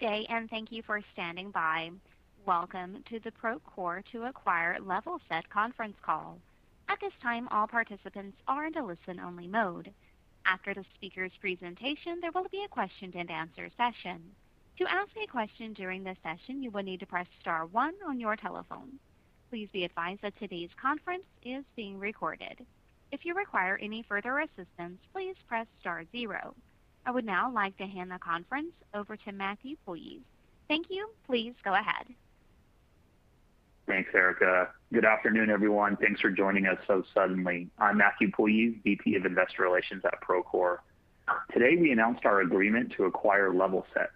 Good day, and thank you for standing by. Welcome to the Procore to acquire Levelset conference call. At this time, all participants are in a listen-only mode. After the speaker's presentation, there will be a question-and-answer session. To ask a question during this session, you will need to press star one on your telephone. Please be advised that today's conference is being recorded. If you require any further assistance, please press star zero. I would now like to hand the conference over to Matthew Puljiz. Thank you. Puljiz go ahead. Thanks, Erica. Good afternoon, everyone. Thanks for joining us so suddenly. I'm Matthew Puljiz, VP of Investor Relations at Procore. Today, we announced our agreement to acquire Levelset.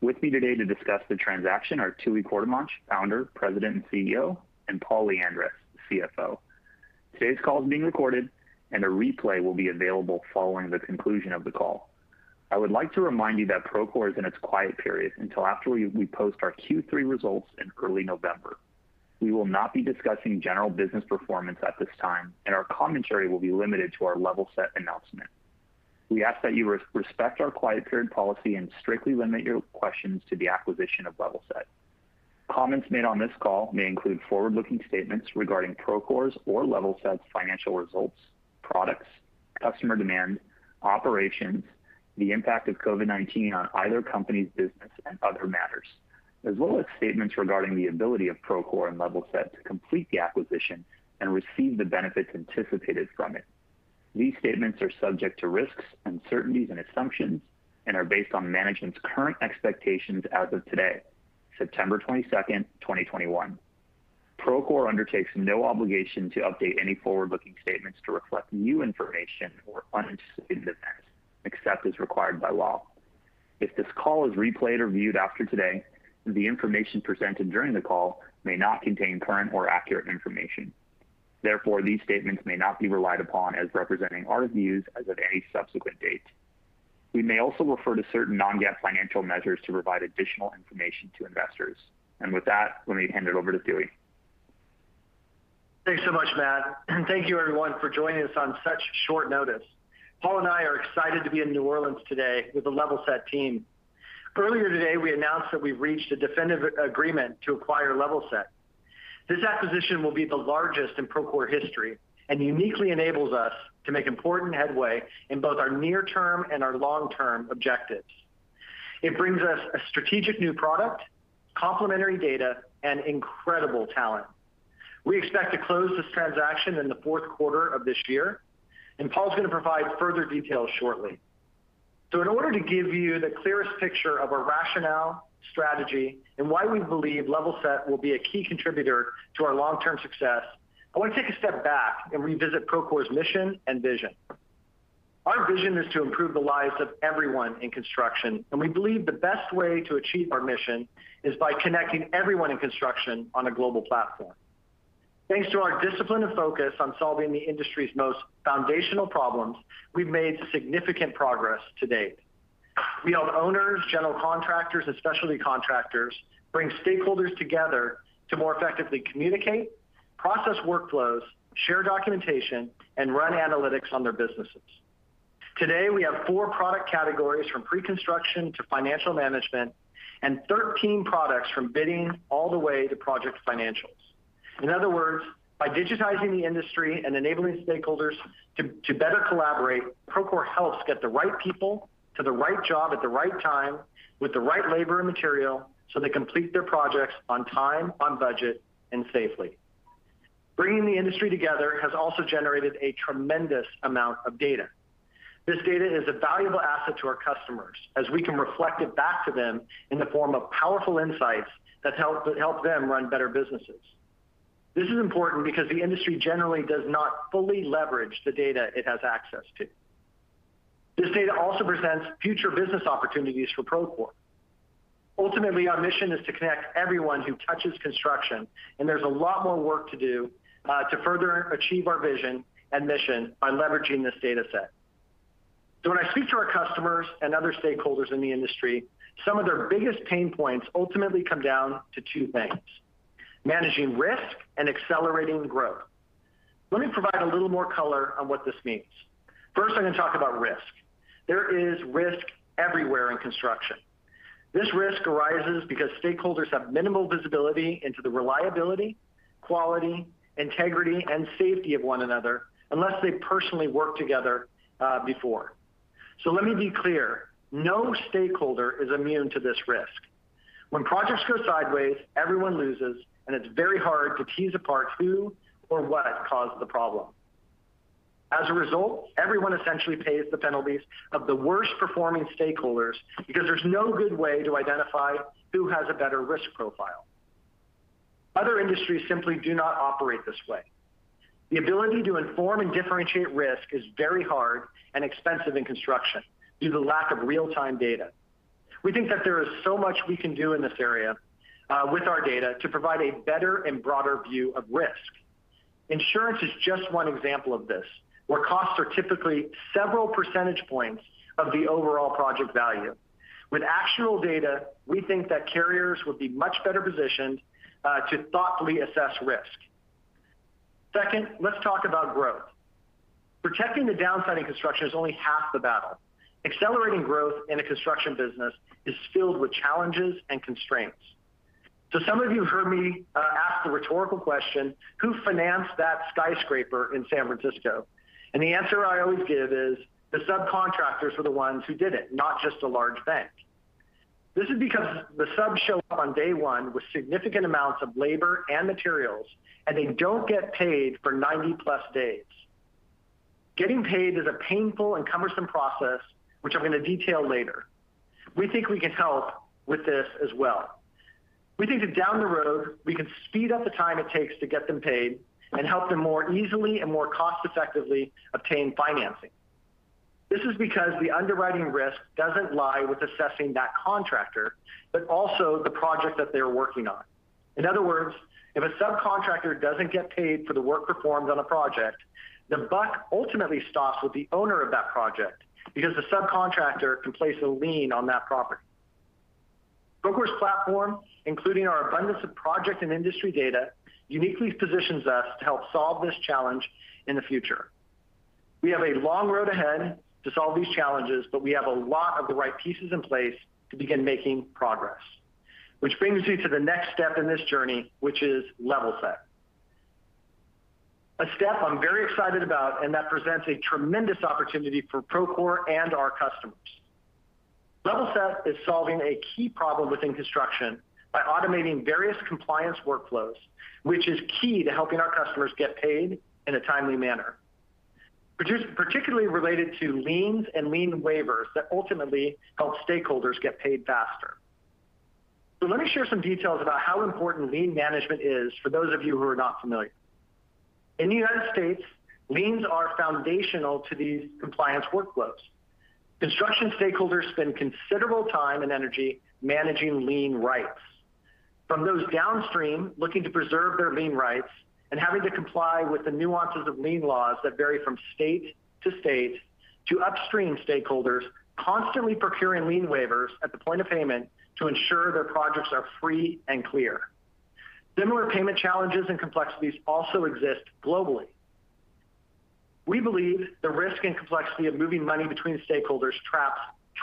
With me today to discuss the transaction are Tooey Courtemanche, Founder, President, and CEO, and Paul Lyandres, CFO. Today's call is being recorded. A replay will be available following the conclusion of the call. I would like to remind you that Procore is in its quiet period until after we post our Q3 results in early November. We will not be discussing general business performance at this time. Our commentary will be limited to our Levelset announcement. We ask that you respect our quiet period policy and strictly limit your questions to the acquisition of Levelset. Comments made on this call may include forward-looking statements regarding Procore's or Levelset's financial results, products, customer demand, operations, the impact of COVID-19 on either company's business, and other matters, as well as statements regarding the ability of Procore and Levelset to complete the acquisition and receive the benefits anticipated from it. These statements are subject to risks, uncertainties, and assumptions and are based on management's current expectations as of today, September 22nd, 2021. Procore undertakes no obligation to update any forward-looking statements to reflect new information or unanticipated events, except as required by law. If this call is replayed or viewed after today, the information presented during the call may not contain current or accurate information. Therefore, these statements may not be relied upon as representing our views as of any subsequent date. We may also refer to certain non-GAAP financial measures to provide additional information to investors. With that, let me hand it over to Tooey. Thanks so much, Matt, and thank you everyone for joining us on such short notice. Paul and I are excited to be in New Orleans today with the Levelset team. Earlier today, we announced that we've reached a definitive agreement to acquire Levelset. This acquisition will be the largest in Procore history and uniquely enables us to make important headway in both our near-term and our long-term objectives. It brings us a strategic new product, complementary data, and incredible talent. We expect to close this transaction in the fourth quarter of this year, and Paul's going to provide further details shortly. In order to give you the clearest picture of our rationale, strategy, and why we believe Levelset will be a key contributor to our long-term success, I want to take a step back and revisit Procore's mission and vision. Our vision is to improve the lives of everyone in construction, and we believe the best way to achieve our mission is by connecting everyone in construction on a global platform. Thanks to our discipline and focus on solving the industry's most foundational problems, we've made significant progress to date. We help owners, general contractors, and specialty contractors bring stakeholders together to more effectively communicate, process workflows, share documentation, and run analytics on their businesses. Today, we have four product categories, from pre-construction to financial management, and 13 products from bidding all the way to project financials. In other words, by digitizing the industry and enabling stakeholders to better collaborate, Procore helps get the right people to the right job at the right time with the right labor and material so they complete their projects on time, on budget, and safely. Bringing the industry together has also generated a tremendous amount of data. This data is a valuable asset to our customers as we can reflect it back to them in the form of powerful insights that help them run better businesses. This is important because the industry generally does not fully leverage the data it has access to. This data also presents future business opportunities for Procore. Ultimately, our mission is to connect everyone who touches construction, and there's a lot more work to do to further achieve our vision and mission by leveraging this data set. When I speak to our customers and other stakeholders in the industry, some of their biggest pain points ultimately come down to two things, managing risk and accelerating growth. Let me provide a little more color on what this means. First, I'm going to talk about risk. There is risk everywhere in construction. This risk arises because stakeholders have minimal visibility into the reliability, quality, integrity, and safety of one another unless they've personally worked together before. Let me be clear, no stakeholder is immune to this risk. When projects go sideways, everyone loses, and it's very hard to tease apart who or what caused the problem. As a result, everyone essentially pays the penalties of the worst-performing stakeholders because there's no good way to identify who has a better risk profile. Other industries simply do not operate this way. The ability to inform and differentiate risk is very hard and expensive in construction due to the lack of real-time data. We think that there is so much we can do in this area with our data to provide a better and broader view of risk. Insurance is just one example of this, where costs are typically several percentage points of the overall project value. With actual data, we think that carriers would be much better positioned to thoughtfully assess risk. Second, let's talk about growth. Protecting the downside in construction is only half the battle. Accelerating growth in a construction business is filled with challenges and constraints. Some of you have heard me ask the rhetorical question, who financed that skyscraper in San Francisco? The answer I always give is the subcontractors are the ones who did it, not just a large bank. This is because the subs show up on day one with significant amounts of labor and materials, and they don't get paid for 90+ days. Getting paid is a painful and cumbersome process, which I'm going to detail later. We think we can help with this as well. We think that down the road, we can speed up the time it takes to get them paid and help them more easily and more cost-effectively obtain financing. This is because the underwriting risk doesn't lie with assessing that contractor, but also the project that they're working on. In other words, if a subcontractor doesn't get paid for the work performed on a project, the buck ultimately stops with the owner of that project because the subcontractor can place a lien on that property. Procore's platform, including our abundance of project and industry data, uniquely positions us to help solve this challenge in the future. We have a long road ahead to solve these challenges, but we have a lot of the right pieces in place to begin making progress. Which brings me to the next step in this journey, which is Levelset. A step I'm very excited about and that presents a tremendous opportunity for Procore and our customers. Levelset is solving a key problem within construction by automating various compliance workflows, which is key to helping our customers get paid in a timely manner, particularly related to liens and lien waivers that ultimately help stakeholders get paid faster. Let me share some details about how important Lien Management is for those of you who are not familiar. In the U.S., liens are foundational to these compliance workflows. Construction stakeholders spend considerable time and energy managing lien rights. From those downstream looking to preserve their lien rights and having to comply with the nuances of lien laws that vary from state to state, to upstream stakeholders constantly procuring lien waivers at the point of payment to ensure their projects are free and clear. Similar payment challenges and complexities also exist globally. We believe the risk and complexity of moving money between stakeholders traps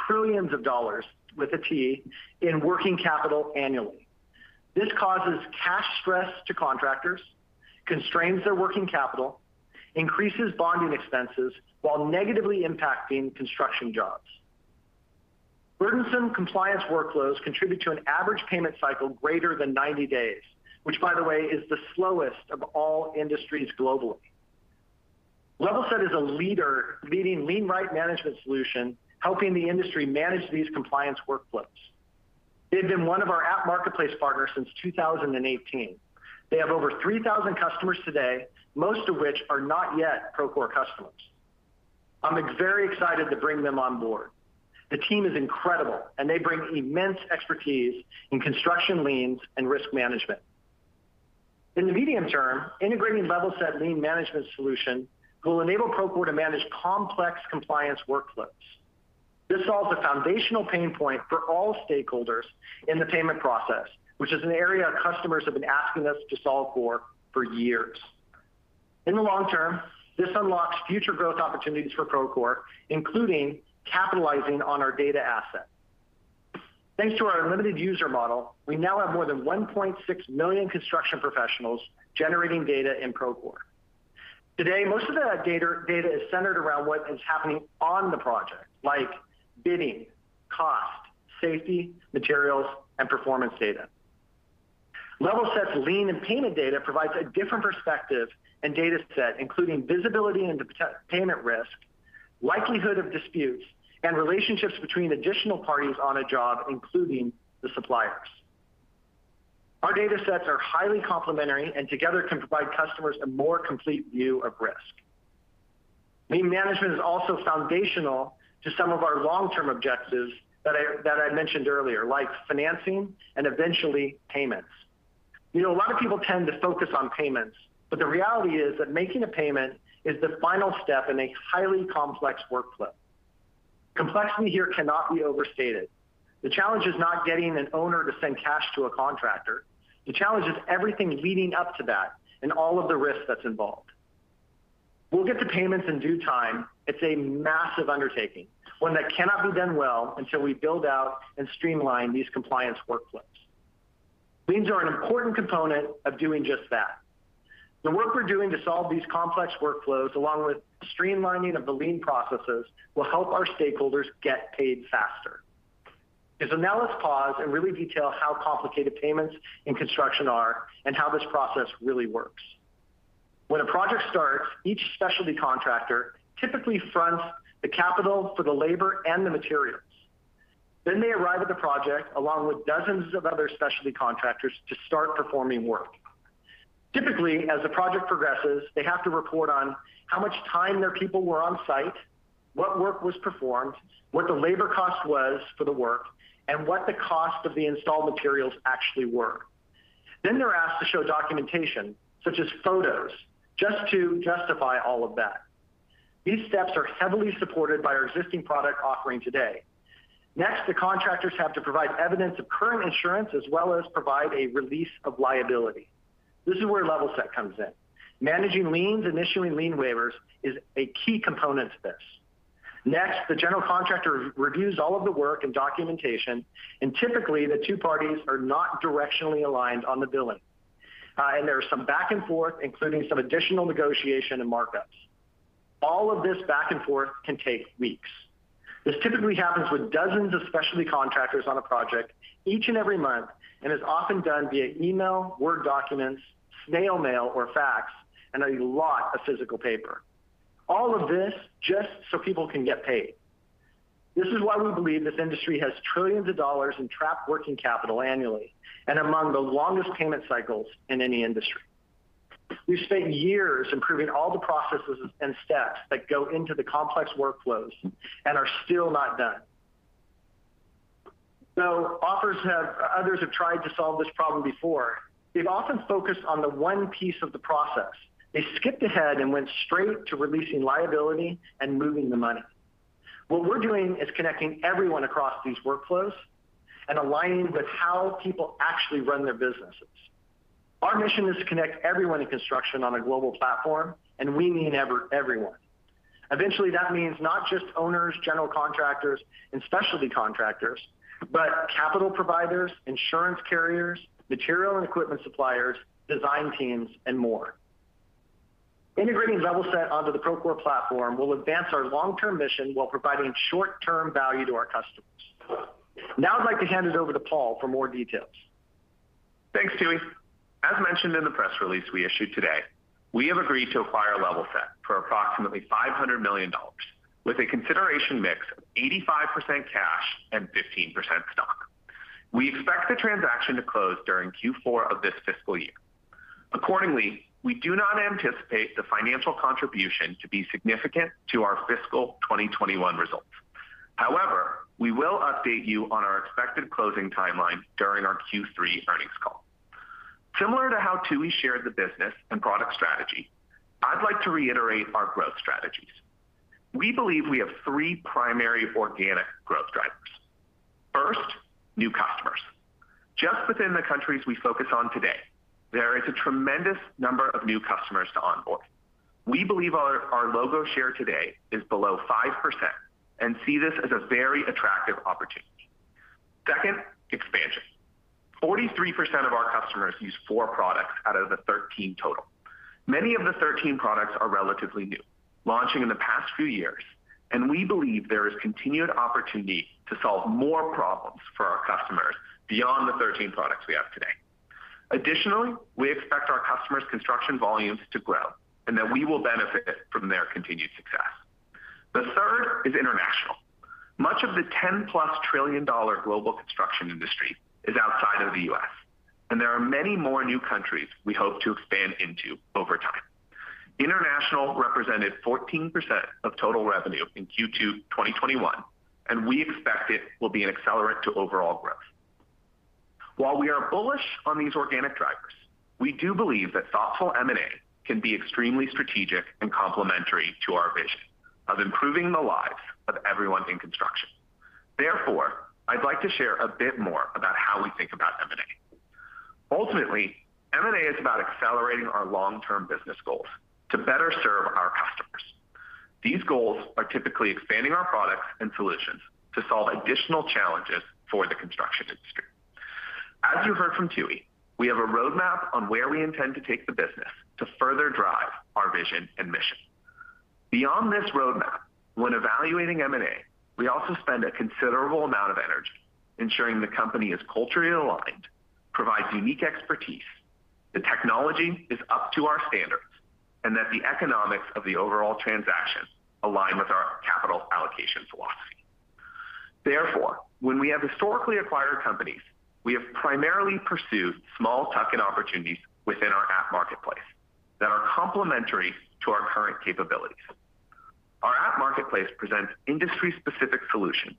trillions of dollars, with a T, in working capital annually. This causes cash stress to contractors, constrains their working capital, increases bonding expenses while negatively impacting construction jobs. Burdensome compliance workflows contribute to an average payment cycle greater than 90 days, which, by the way, is the slowest of all industries globally. Levelset is a leading lien right management solution helping the industry manage these compliance workflows. They've been one of our app marketplace partners since 2018. They have over 3,000 customers today, most of which are not yet Procore customers. I'm very excited to bring them on board. The team is incredible. They bring immense expertise in construction liens and risk management. In the medium term, integrating Levelset Lien Management solution will enable Procore to manage complex compliance workflows. This solves a foundational pain point for all stakeholders in the payment process, which is an area customers have been asking us to solve for years. In the long term, this unlocks future growth opportunities for Procore, including capitalizing on our data asset. Thanks to our unlimited user model, we now have more than 1.6 million construction professionals generating data in Procore. Today, most of that data is centered around what is happening on the project, like bidding, cost, safety, materials, and performance data. Levelset's lien and payment data provides a different perspective and dataset, including visibility into payment risk, likelihood of disputes, and relationships between additional parties on a job, including the suppliers. Our datasets are highly complementary and together can provide customers a more complete view of risk. Lien Management is also foundational to some of our long-term objectives that I mentioned earlier, like financing and eventually payments. A lot of people tend to focus on payments, but the reality is that making a payment is the final step in a highly complex workflow. Complexity here cannot be overstated. The challenge is not getting an owner to send cash to a contractor. The challenge is everything leading up to that and all of the risk that's involved. We'll get to payments in due time. It's a massive undertaking, one that cannot be done well until we build out and streamline these compliance workflows. Liens are an important component of doing just that. The work we're doing to solve these complex workflows, along with streamlining of the lien processes, will help our stakeholders get paid faster. Now let's pause and really detail how complicated payments in construction are and how this process really works. When a project starts, each specialty contractor typically fronts the capital for the labor and the materials. They arrive at the project, along with dozens of other specialty contractors to start performing work. Typically, as the project progresses, they have to report on how much time their people were on site, what work was performed, what the labor cost was for the work, and what the cost of the installed materials actually were. They're asked to show documentation, such as photos, just to justify all of that. These steps are heavily supported by our existing product offering today. Next, the contractors have to provide evidence of current insurance as well as provide a release of liability. This is where Levelset comes in. Managing liens, issuing lien waivers is a key component to this. Next, the general contractor reviews all of the work and documentation, and typically, the two parties are not directionally aligned on the billing. There is some back and forth, including some additional negotiation and markups. All of this back and forth can take weeks. This typically happens with dozens of specialty contractors on a project each and every month, and is often done via email, Word documents, snail mail, or fax, and a lot of physical paper. All of this just so people can get paid. This is why we believe this industry has trillions of dollars in trapped working capital annually, and among the longest payment cycles in any industry. We've spent years improving all the processes and steps that go into the complex workflows and are still not done. Others have tried to solve this problem before. They've often focused on the one piece of the process. They skipped ahead and went straight to releasing liability and moving the money. What we're doing is connecting everyone across these workflows and aligning with how people actually run their businesses. Our mission is to connect everyone in construction on a global platform, and we mean everyone. Eventually, that means not just owners, general contractors, and specialty contractors, but capital providers, insurance carriers, material and equipment suppliers, design teams, and more. Integrating Levelset onto the Procore platform will advance our long-term mission while providing short-term value to our customers. I'd like to hand it over to Paul for more details. Thanks, Tooey. As mentioned in the press release we issued today, we have agreed to acquire Levelset for approximately $500 million, with a consideration mix of 85% cash and 15% stock. We expect the transaction to close during Q4 of this fiscal year. Accordingly, we do not anticipate the financial contribution to be significant to our fiscal 2021 results. However, we will update you on our expected closing timeline during our Q3 earnings call. Similar to how Tooey shared the business and product strategy, I'd like to reiterate our growth strategies. We believe we have three primary organic growth drivers. First, new customers. Just within the countries we focus on today, there is a tremendous number of new customers to onboard. We believe our logo share today is below 5% and see this as a very attractive opportunity. Second, expansion. 43% of our customers use four products out of the 13 total. Many of the 13 products are relatively new, launching in the past few years, we believe there is continued opportunity to solve more problems for our customers beyond the 13 products we have today. Additionally, we expect our customers' construction volumes to grow, that we will benefit from their continued success. The third is international. Much of the $10+ trillion global construction industry is outside of the U.S., there are many more new countries we hope to expand into over time. International represented 14% of total revenue in Q2 2021, we expect it will be an accelerant to overall growth. While we are bullish on these organic drivers, we do believe that thoughtful M&A can be extremely strategic and complementary to our vision of improving the lives of everyone in construction. I'd like to share a bit more about how we think about M&A. M&A is about accelerating our long-term business goals to better serve our customers. These goals are typically expanding our products and solutions to solve additional challenges for the construction industry. As you heard from Tooey, we have a roadmap on where we intend to take the business to further drive our vision and mission. Beyond this roadmap, when evaluating M&A, we also spend a considerable amount of energy ensuring the company is culturally aligned, provides unique expertise, the technology is up to our standards, and that the economics of the overall transaction align with our capital allocation philosophy. When we have historically acquired companies, we have primarily pursued small tuck-in opportunities within our app marketplace that are complementary to our current capabilities. Our app marketplace presents industry-specific solutions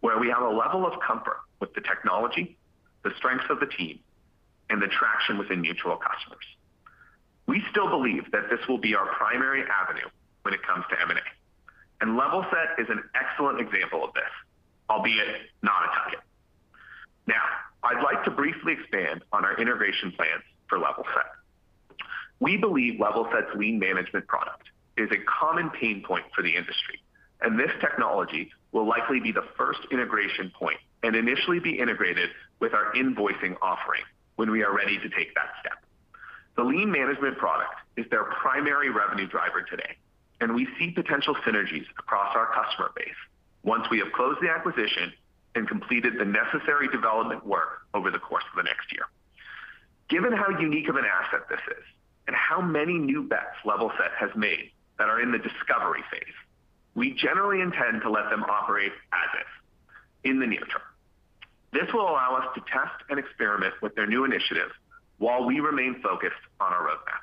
where we have a level of comfort with the technology, the strengths of the team, and the traction within mutual customers. We still believe that this will be our primary avenue when it comes to M&A, and Levelset is an excellent example of this, albeit not a tuck-in. I'd like to briefly expand on our integration plans for Levelset. We believe Levelset's Lien Management product is a common pain point for the industry, and this technology will likely be the first integration point and initially be integrated with our invoicing offering when we are ready to take that step. The Lien Management product is their primary revenue driver today, and we see potential synergies across our customer base once we have closed the acquisition and completed the necessary development work over the course of the next year. Given how unique of an asset this is and how many new bets Levelset has made that are in the discovery phase, we generally intend to let them operate as is in the near term. This will allow us to test and experiment with their new initiatives while we remain focused on our roadmap.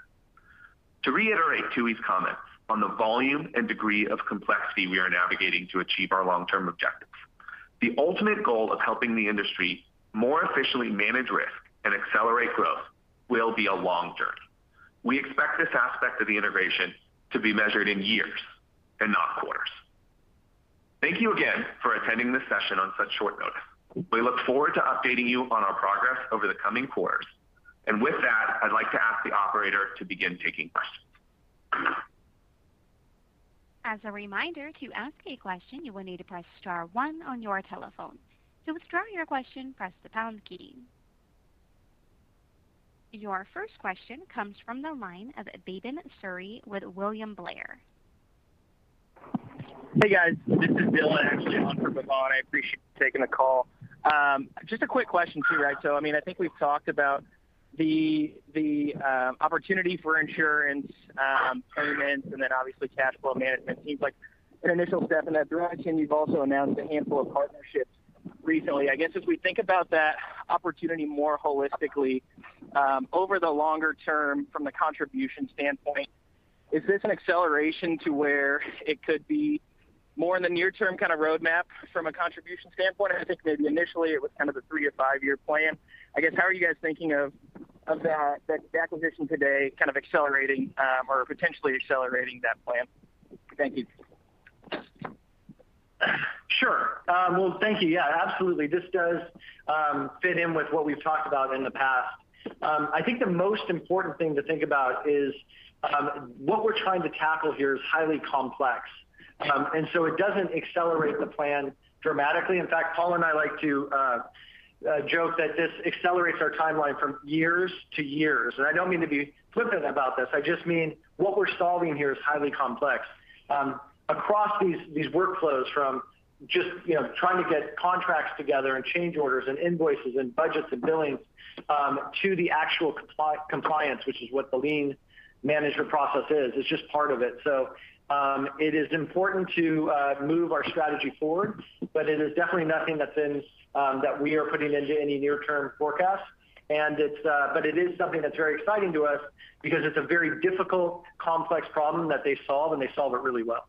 To reiterate Tooey's comments on the volume and degree of complexity we are navigating to achieve our long-term objectives. The ultimate goal of helping the industry more efficiently manage risk and accelerate growth will be a long journey. We expect this aspect of the integration to be measured in years and not quarters. Thank you again for attending this session on such short notice. We look forward to updating you on our progress over the coming quarters. With that, I'd like to ask the operator to begin taking questions. As a reminder, to ask a question, you will need to press star one on your telephone. To withdraw your question, press the pound key. Your first question comes from the line of Bhavan Suri with William Blair. Hey, guys. This is Bill, actually on for Bhavan Suri. I appreciate you taking the call. Just a quick question too. I think we've talked about the opportunity for insurance payments then obviously cash flow management seems like an initial step in that direction. You've also announced a handful of partnerships recently. As we think about that opportunity more holistically, over the longer term from the contribution standpoint, is this an acceleration to where it could be more in the near-term kind of roadmap from a contribution standpoint? I think maybe initially it was a three to five year plan. How are you guys thinking of the acquisition today accelerating or potentially accelerating that plan? Thank you. Sure. Well, thank you. Yeah, absolutely. This does fit in with what we've talked about in the past. I think the most important thing to think about is what we're trying to tackle here is highly complex, and so it doesn't accelerate the plan dramatically. In fact, Paul and I like to joke that this accelerates our timeline from years to years. I don't mean to be flippant about this, I just mean what we're solving here is highly complex. Across these workflows from just trying to get contracts together and change orders and invoices and budgets and billings, to the actual compliance, which is what the Lien Management process is, it's just part of it. It is important to move our strategy forward, but it is definitely nothing that we are putting into any near-term forecast. It is something that's very exciting to us because it's a very difficult, complex problem that they solve, and they solve it really well.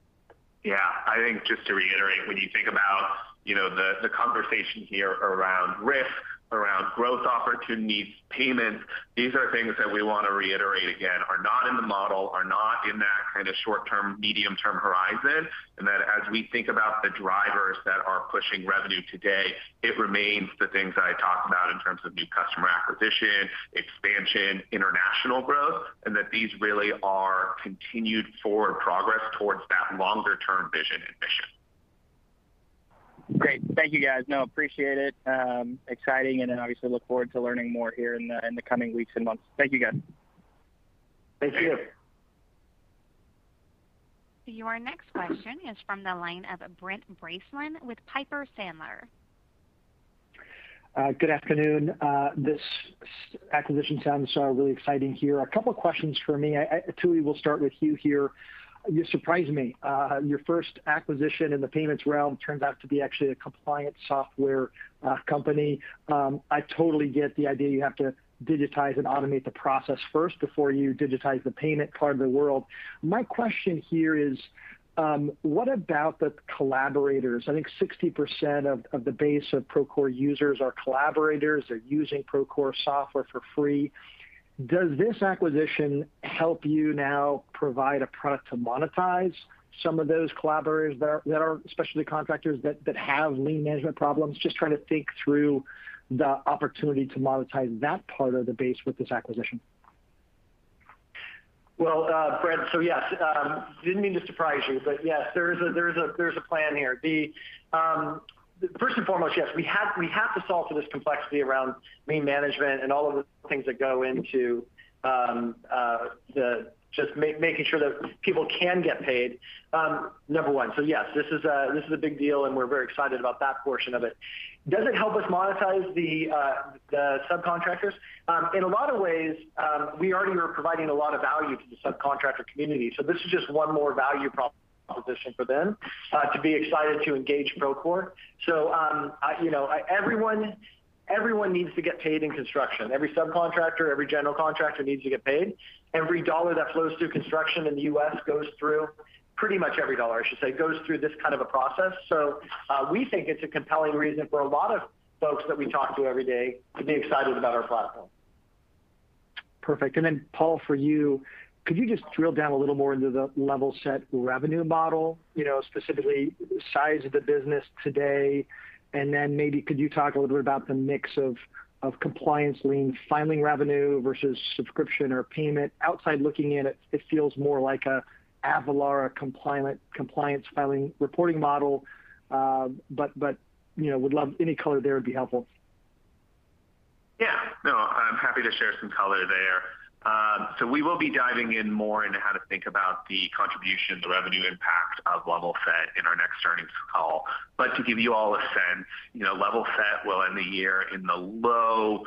Yeah. I think just to reiterate, when you think about the conversation here around risk, around growth opportunities, payments, these are things that we want to reiterate again, are not in the model, are not in that kind of short-term, medium-term horizon. That as we think about the drivers that are pushing revenue today, it remains the things that I talked about in terms of new customer acquisition, expansion, international growth, and that these really are continued forward progress towards that longer-term vision and mission. Great. Thank you, guys. Appreciate it. Exciting. Obviously look forward to learning more here in the coming weeks and months. Thank you, guys. Thank you. Your next question is from the line of Brent Bracelin with Piper Sandler. Good afternoon. This acquisition sounds really exciting here. A couple questions for me. Tooey, we'll start with you here. You surprised me. Your first acquisition in the payments realm turned out to be actually a compliance software company. I totally get the idea you have to digitize and automate the process first before you digitize the payment part of the world. My question here is, what about the collaborators? I think 60% of the base of Procore users are collaborators. They're using Procore software for free. Does this acquisition help you now provide a product to monetize some of those collaborators that are specialty contractors that have Lien Management problems? Just trying to think through the opportunity to monetize that part of the base with this acquisition. Well, Brent, yes. Didn't mean to surprise you, yes, there's a plan here. First and foremost, yes, we have to solve for this complexity around Lien Management and all of the things that go into just making sure that people can get paid, number one. Yes, this is a big deal and we're very excited about that portion of it. Does it help us monetize the subcontractors? In a lot of ways, we already are providing a lot of value to the subcontractor community, this is just one more value proposition for them to be excited to engage Procore. Everyone needs to get paid in construction. Every subcontractor, every general contractor needs to get paid. Every dollar that flows through construction in the U.S., pretty much every dollar, I should say, goes through this kind of a process. We think it's a compelling reason for a lot of folks that we talk to every day to be excited about our platform. Perfect. Paul, for you, could you just drill down a little more into the Levelset revenue model? Specifically, size of the business today, maybe could you talk a little bit about the mix of compliance lien filing revenue versus subscription or payment? Outside looking in, it feels more like a Avalara compliance filing reporting model, would love any color there would be helpful. Yeah. I'm happy to share some color there. We will be diving in more into how to think about the contribution, the revenue impact of Levelset in our next earnings call. To give you all a sense, Levelset will end the year in the low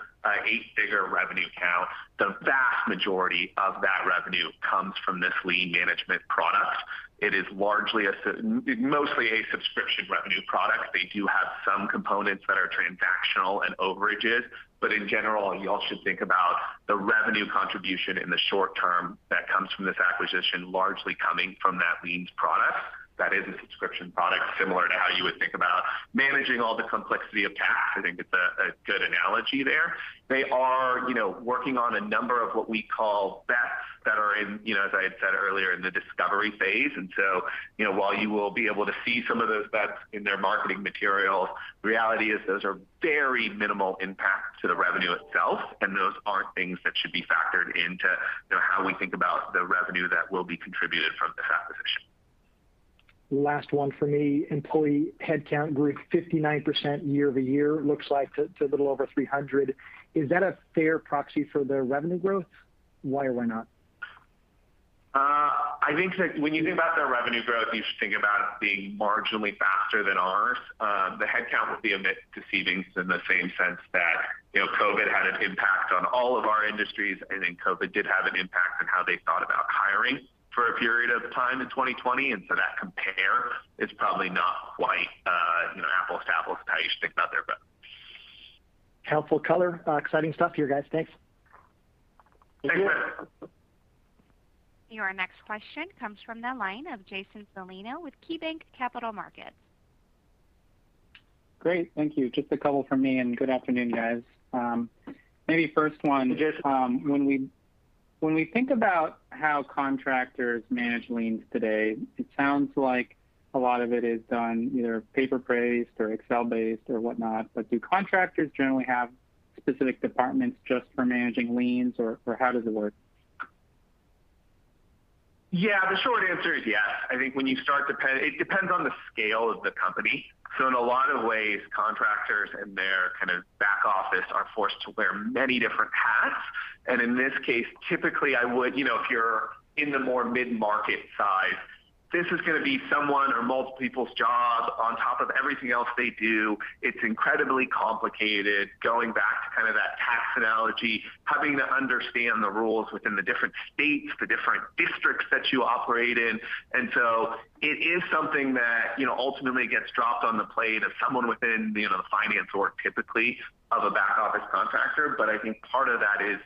eight-figure revenue count. The vast majority of that revenue comes from this Lien Management product. It is mostly a subscription revenue product. They do have some components that are transactional and overages, but in general, you all should think about the revenue contribution in the short term that comes from this acquisition largely coming from that liens product. That is a subscription product similar to how you would think about managing all the complexity of tax. I think it's a good analogy there. They are working on a number of what we call bets that are in, as I had said earlier, in the discovery phase. While you will be able to see some of those bets in their marketing materials, reality is those are very minimal impact to the revenue itself, and those aren't things that should be factored into how we think about the revenue that will be contributed from this acquisition. Last one from me. Employee headcount grew 59% year-over-year, looks like to a little over 300. Is that a fair proxy for their revenue growth? Why or why not? I think that when you think about their revenue growth, you should think about it being marginally faster than ours. The headcount would be a bit deceiving in the same sense that COVID had an impact on all of our industries. COVID did have an impact on how they thought about hiring for a period of time in 2020. That compare is probably not quite apples to apples to how you should think about their bets. Helpful color. Exciting stuff here, guys. Thanks. Thank you. Your next question comes from the line of Jason Celino with KeyBanc Capital Markets. Great. Thank you. Just a couple from me, and good afternoon, guys. Maybe first one- Jason. ...when we think about how contractors manage liens today, it sounds like a lot of it is done either paper-based or Excel-based or whatnot, but do contractors generally have specific departments just for managing liens, or how does it work? Yeah, the short answer is yes. I think it depends on the scale of the company. In a lot of ways, contractors in their back office are forced to wear many different hats. In this case, typically, if you're in the more mid-market size, this is going to be someone or multiple people's job on top of everything else they do. It's incredibly complicated. Going back to that tax analogy, having to understand the rules within the different states, the different districts that you operate in. It is something that ultimately gets dropped on the plate of someone within the finance org, typically, of a back office contractor. I think part of that is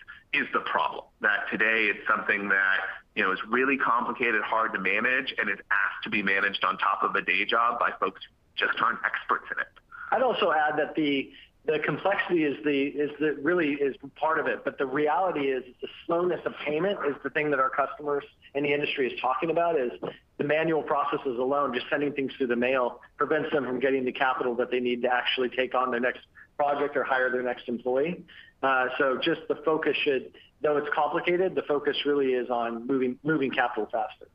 the problem, that today it's something that is really complicated, hard to manage, and it's asked to be managed on top of a day job by folks who just aren't experts in it. I'd also add that the complexity really is part of it, but the reality is the slowness of payment is the thing that our customers in the industry is talking about is the manual processes alone. Just sending things through the mail prevents them from getting the capital that they need to actually take on their next project or hire their next employee. Just the focus should, though it's complicated, the focus really is on moving capital faster.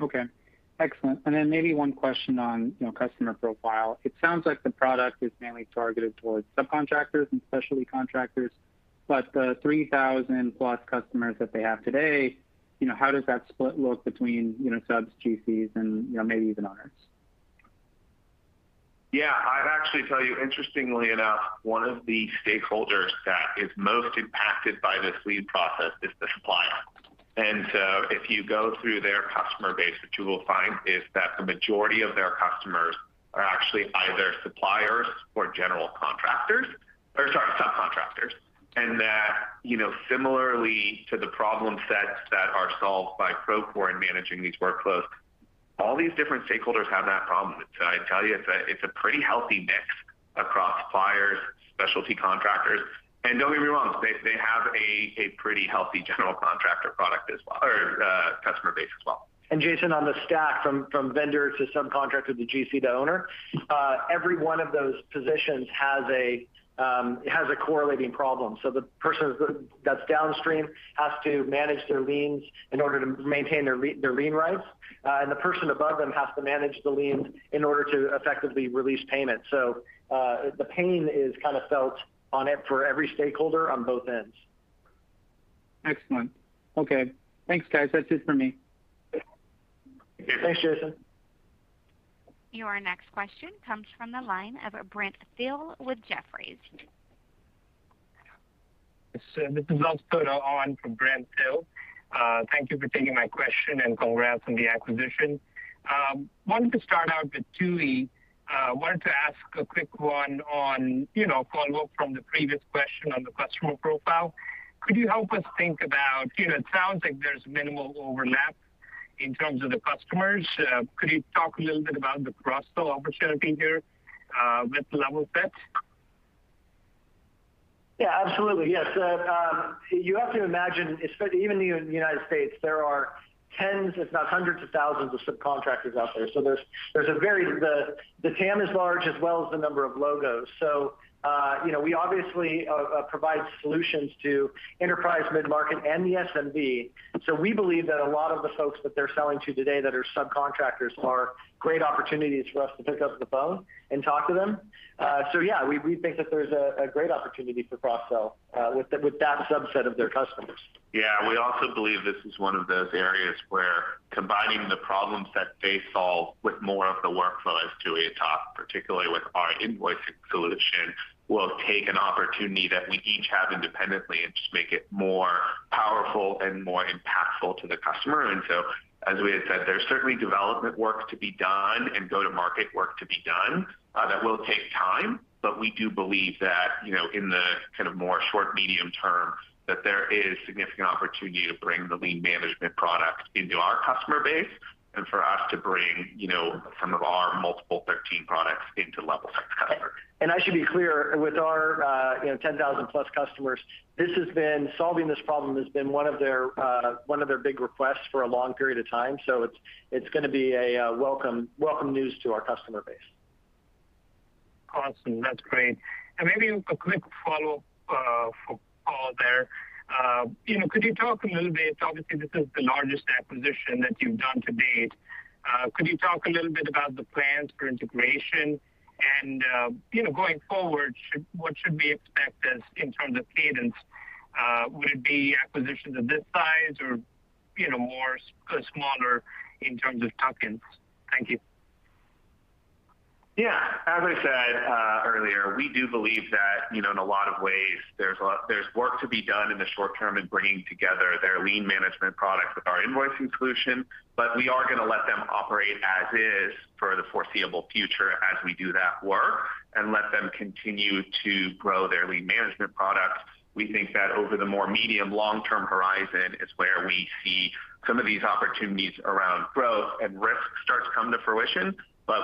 Okay. Excellent. Maybe one question on customer profile. It sounds like the product is mainly targeted towards subcontractors and specialty contractors, but the 3,000+ customers that they have today, how does that split look between subs, GCs, and maybe even owners? Yeah. I'd actually tell you, interestingly enough, one of the stakeholders that is most impacted by this lien process is the supplier. If you go through their customer base, what you will find is that the majority of their customers are actually either suppliers or general contractors-- or sorry, subcontractors. Similarly to the problem sets that are solved by Procore in managing these workflows, all these different stakeholders have that problem. I tell you, it's a pretty healthy mix across suppliers, specialty contractors. Don't get me wrong, they have a pretty healthy general contractor product as well, or customer base as well. Jason, on the stack from vendor to subcontractor to GC to owner, every one of those positions has a correlating problem. The person that's downstream has to manage their liens in order to maintain their lien rights, and the person above them has to manage the liens in order to effectively release payment. The pain is kind of felt on it for every stakeholder on both ends. Excellent. Okay. Thanks, guys. That's it for me. Okay. Thanks, Jason. Your next question comes from the line of Brent Thill with Jefferies. This is [inaudible] on for Brent Thill. Thank you for taking my question, and congrats on the acquisition. Wanted to start out with Tooey. Wanted to ask a quick one on follow-up from the previous question on the customer profile. Could you help us think about, it sounds like there's minimal overlap in terms of the customers. Could you talk a little bit about the cross-sell opportunity here with Levelset? Yeah, absolutely. Yes. You have to imagine, even in the U.S., there are tens, if not hundreds of thousands of subcontractors out there. The TAM is large as well as the number of logos. We obviously provide solutions to enterprise, mid-market, and the SMB. We believe that a lot of the folks that they're selling to today that are subcontractors are great opportunities for us to pick up the phone and talk to them. Yeah, we think that there's a great opportunity for cross-sell with that subset of their customers. Yeah. We also believe this is one of those areas where combining the problems that they solve with more of the workflows Tooey had talked, particularly with our invoicing solution, will take an opportunity that we each have independently and just make it more and more impactful to the customer. As we had said, there's certainly development work to be done and go-to-market work to be done that will take time. We do believe that in the more short-medium term, that there is significant opportunity to bring the Lien Management product into our customer base, and for us to bring some of our multiple 13 products into Levelset's customer. I should be clear, with our 10,000+ customers, solving this problem has been one of their big requests for a long period of time. It's going to be a welcome news to our customer base. Awesome. That's great. Maybe a quick follow-up for Paul there. Obviously, this is the largest acquisition that you've done to date. Could you talk a little bit about the plans for integration? Going forward, what should we expect in terms of cadence? Would it be acquisitions of this size or more smaller in terms of tuck-ins? Thank you. Yeah. As I said earlier, we do believe that in a lot of ways, there's work to be done in the short term in bringing together their Lien Management product with our invoicing solution. We are going to let them operate as is for the foreseeable future as we do that work, and let them continue to grow their Lien Management product. We think that over the more medium long-term horizon is where we see some of these opportunities around growth and risk start to come to fruition.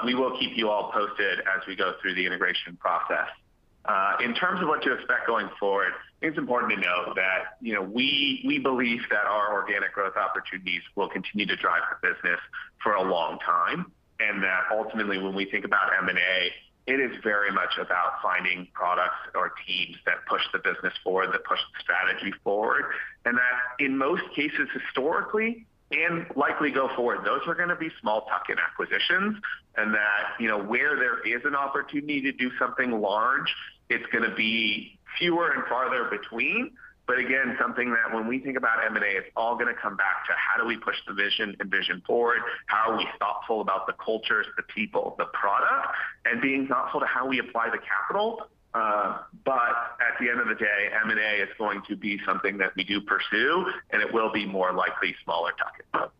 We will keep you all posted as we go through the integration process. In terms of what to expect going forward, it's important to note that we believe that our organic growth opportunities will continue to drive the business for a long time, and that ultimately, when we think about M&A, it is very much about finding products or teams that push the business forward, that push the strategy forward, and that in most cases historically, and likely go forward, those are going to be small tuck-in acquisitions. That where there is an opportunity to do something large, it's going to be fewer and farther between. Again, something that when we think about M&A, it's all going to come back to how do we push the vision forward? How are we thoughtful about the cultures, the people, the product? Being thoughtful to how we apply the capital. At the end of the day, M&A is going to be something that we do pursue, and it will be more likely smaller tuck-ins.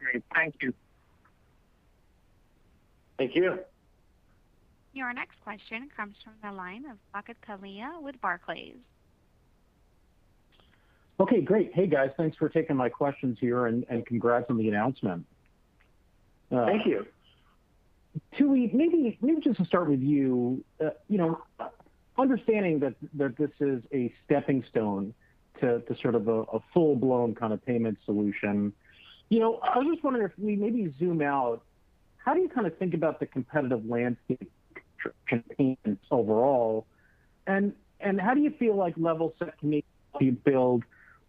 Great. Thank you. Thank you. Your next question comes from the line of Saket Kalia with Barclays. Okay, great. Hey, guys. Thanks for taking my questions here, and congrats on the announcement. Thank you. Tooey, maybe just to start with you. Understanding that this is a stepping stone to a full-blown kind of payment solution. I was just wondering if we maybe zoom out, how do you think about the competitive landscape for payments overall, and how do you feel like Levelset can help you build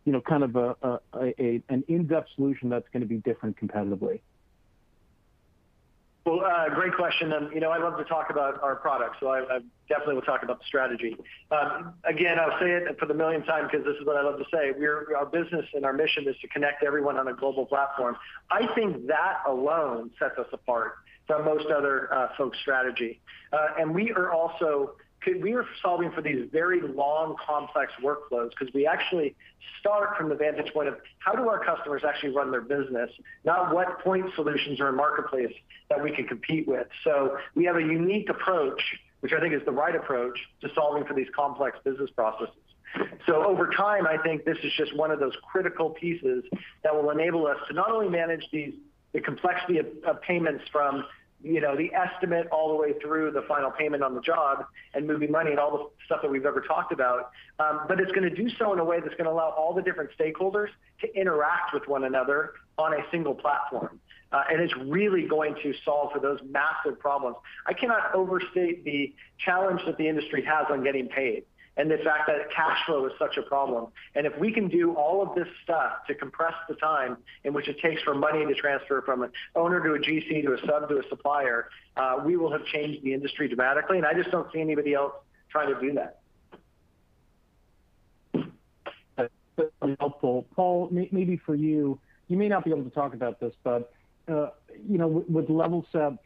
an in-depth solution that's going to be different competitively? Well, great question. I love to talk about our product, so I definitely will talk about the strategy. I'll say it for the millionth time because this is what I love to say, our business and our mission is to connect everyone on a global platform. I think that alone sets us apart from most other folks' strategy. We are solving for these very long, complex workflows because we actually start from the vantage point of how do our customers actually run their business, not what point solutions are in marketplace that we can compete with. We have a unique approach, which I think is the right approach, to solving for these complex business processes. Over time, I think this is just one of those critical pieces that will enable us to not only manage the complexity of payments from the estimate all the way through the final payment on the job and moving money and all the stuff that we've ever talked about. It's going to do so in a way that's going to allow all the different stakeholders to interact with one another on a single platform. It's really going to solve for those massive problems. I cannot overstate the challenge that the industry has on getting paid, and the fact that cash flow is such a problem. If we can do all of this stuff to compress the time in which it takes for money to transfer from an owner to a GC to a sub to a supplier, we will have changed the industry dramatically. I just don't see anybody else trying to do that. That's helpful. Paul, maybe for you may not be able to talk about this, but with Levelset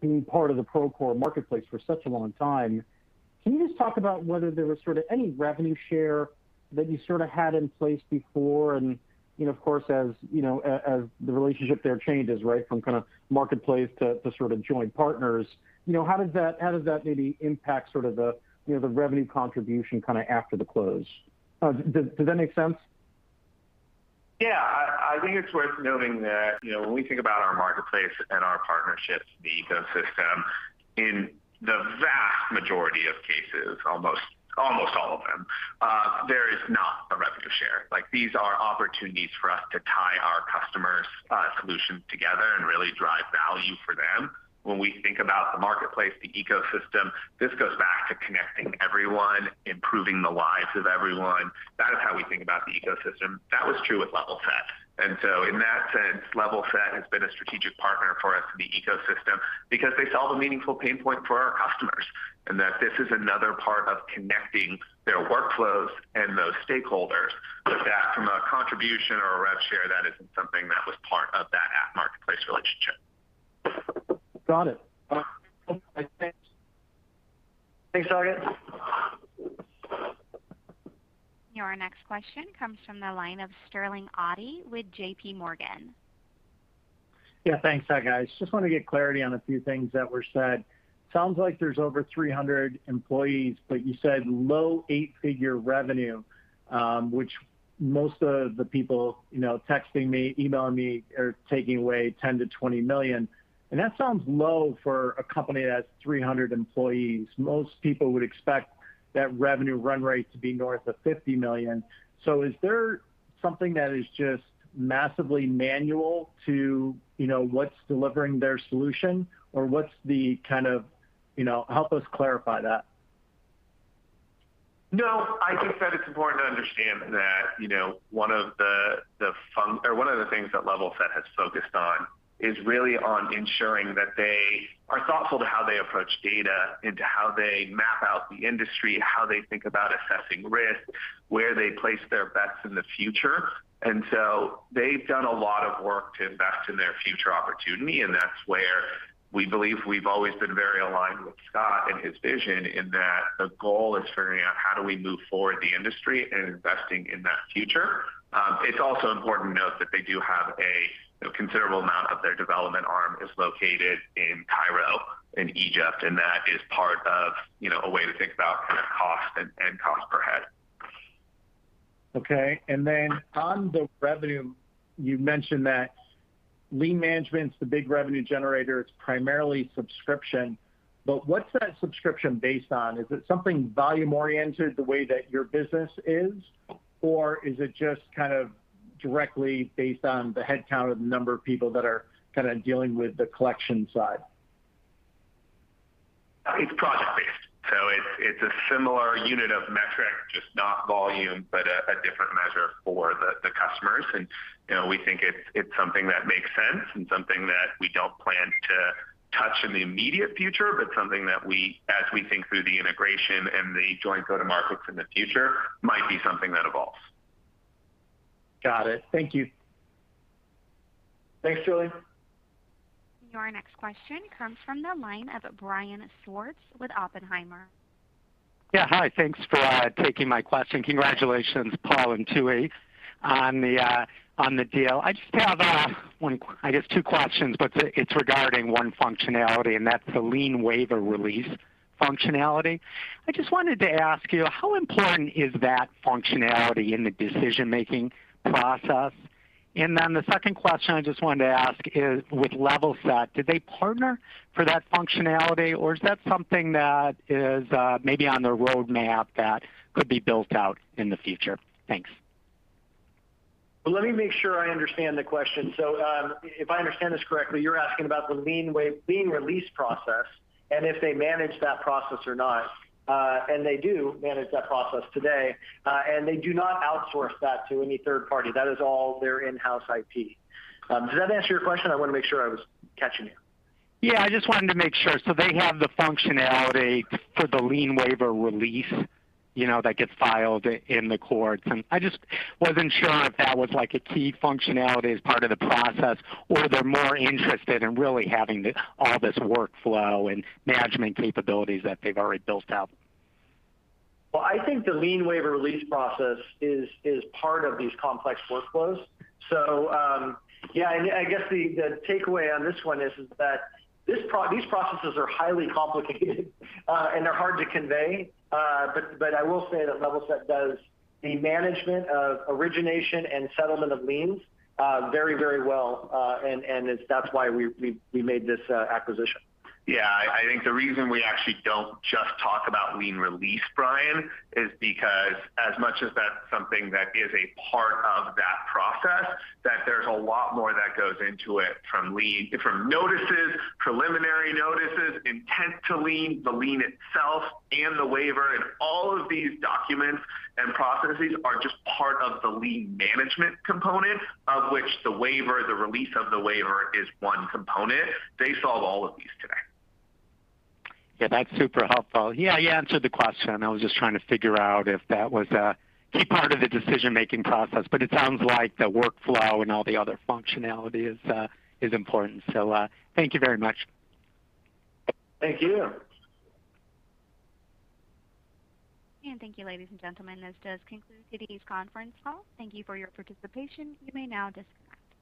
being part of the Procore marketplace for such a long time, can you just talk about whether there was any revenue share that you had in place before? Of course, as the relationship there changes from marketplace to joint partners, how does that maybe impact the revenue contribution after the close? Does that make sense? Yeah. I think it's worth noting that when we think about our marketplace and our partnerships, the ecosystem, in the vast majority of cases, almost all of them, there is not a revenue share. These are opportunities for us to tie our customers' solutions together and really drive value for them. When we think about the marketplace, the ecosystem, this goes back to connecting everyone, improving the lives of everyone. That is how we think about the ecosystem. That was true with Levelset. In that sense, Levelset has been a strategic partner for us in the ecosystem because they solve a meaningful pain point for our customers, and that this is another part of connecting their workflows and those stakeholders from our contribution or a rev share, that isn't something that was part of that app marketplace relationship. Got it. Thanks, guys. Your next question comes from the line of Sterling Auty with JPMorgan. Thanks, guys. Just want to get clarity on a few things that were said. Sounds like there's over 300 employees, but you said low eight figure revenue, which most of the people texting me, emailing me are taking away $10 million-$20 million. That sounds low for a company that has 300 employees. Most people would expect that revenue run rate to be north of $50 million. Is there something that is just massively manual to what's delivering their solution? Help us clarify that. I think that it's important to understand that one of the things that Levelset has focused on is really on ensuring that they are thoughtful to how they approach data, into how they map out the industry, how they think about assessing risk, where they place their bets in the future. They've done a lot of work to invest in their future opportunity, and that's where we believe we've always been very aligned with Scott and his vision in that the goal is figuring out how do we move forward the industry and investing in that future. It's also important to note that they do have a considerable amount of their development arm is located in Cairo, in Egypt, and that is part of a way to think about cost and cost per head. Okay. On the revenue, you mentioned that Lien Management's the big revenue generator, it's primarily subscription. What's that subscription based on? Is it something volume-oriented the way that your business is? Or is it just directly based on the headcount of the number of people that are dealing with the collection side? It's project-based. It's a similar unit of metric, just not volume, but a different measure for the customers. We think it's something that makes sense and something that we don't plan to touch in the immediate future, but something that as we think through the integration and the joint go-to-markets in the future, might be something that evolves. Got it. Thank you. Thanks, Sterling. Your next question comes from the line of Brian Schwartz with Oppenheimer. Yeah, hi. Thanks for taking my question. Congratulations, Paul and Tooey, on the deal. I just have two questions, but it's regarding one functionality, and that's the lien waiver release functionality. I just wanted to ask you, how important is that functionality in the decision-making process? The second question I just wanted to ask is, with Levelset, did they partner for that functionality, or is that something that is maybe on their roadmap that could be built out in the future? Thanks. Let me make sure I understand the question. If I understand this correctly, you're asking about the lien release process and if they manage that process or not. They do manage that process today. They do not outsource that to any third party. That is all their in-house IP. Does that answer your question? I want to make sure I was catching you. Yeah, I just wanted to make sure. They have the functionality for the lien waiver release that gets filed in the courts. I just wasn't sure if that was like a key functionality as part of the process, or they're more interested in really having all this workflow and management capabilities that they've already built out. I think the lien waiver release process is part of these complex workflows. Yeah, I guess the takeaway on this one is that these processes are highly complicated and they're hard to convey. I will say that Levelset does the management of origination and settlement of liens very, very well. That's why we made this acquisition. Yeah. I think the reason we actually don't just talk about lien release, Brian, is because as much as that's something that is a part of that process, that there's a lot more that goes into it from notices, preliminary notices, intent to lien, the lien itself, and the waiver. All of these documents and processes are just part of the Lien Management component, of which the waiver, the release of the waiver is one component. They solve all of these today. Yeah, that's super helpful. Yeah, you answered the question. I was just trying to figure out if that was a key part of the decision-making process. It sounds like the workflow and all the other functionality is important. Thank you very much. Thank you. Thank you, ladies and gentlemen. This does conclude today's conference call. Thank you for your participation. You may now disconnect.